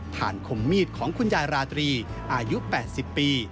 ฐานคมมีดของคุณยายราตรีอายุ๘๐ปี